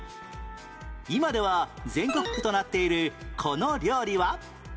今では全国区となっているこの料理は？